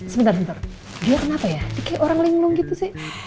sebentar bentar dia kenapa ya kayak orang linglung gitu sih